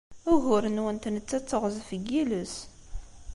Ugur-nwent netta d teɣzef n yiles.